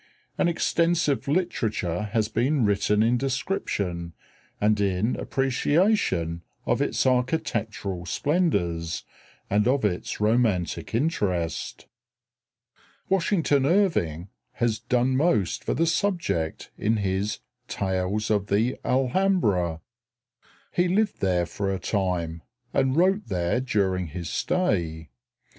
An extensive literature has been written in description and in appreciation of its architectural splendors and of its romantic interest. Washington Irving has done most for the subject in his "Tales of the Alhambra." He lived there for a time, and wrote there during his stay.